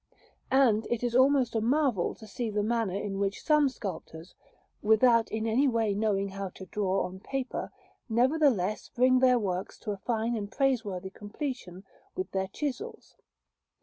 And it is almost a marvel to see the manner in which some sculptors, without in any way knowing how to draw on paper, nevertheless bring their works to a fine and praiseworthy completion with their chisels.